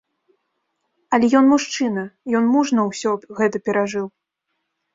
Але ён мужчына, ён мужна ўсё гэта перажыў.